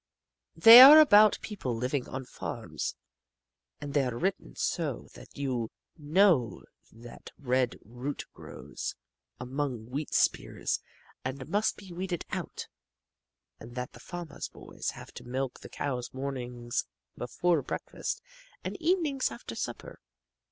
They are about people living on farms, and they are written so that you know that red root grows among wheat spears, and must be weeded out, and that the farmer's boys have to milk the cows mornings before breakfast and evenings after supper.